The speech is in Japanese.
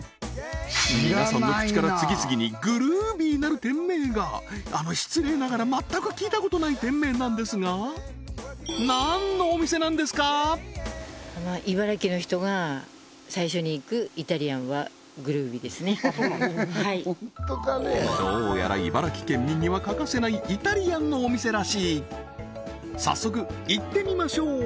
皆さんの口から次々にグルービーなる店名があの失礼ながら全く聞いたことない店名なんですがあっそうなんですかはいどうやら茨城県民には欠かせないイタリアンのお店らしい早速行ってみましょう！